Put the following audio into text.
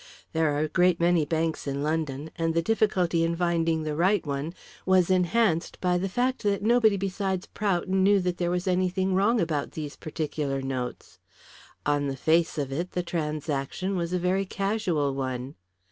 There are a great many banks in London, and the difficulty in finding the right one was enhanced by the fact that nobody besides Prout knew that there was anything wrong about these particular notes. On the face of it, the transaction was a very casual one.